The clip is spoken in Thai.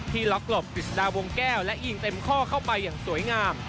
ล็อกหลบกฤษฎาวงแก้วและยิงเต็มข้อเข้าไปอย่างสวยงาม